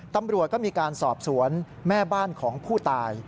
ตำรวจก็มีการสอบสวนแม่บ้านของผู้ตาย